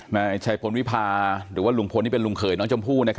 นายชัยพลวิพาหรือว่าลุงพลที่เป็นลุงเผยน้องจมภูกน์นะครับ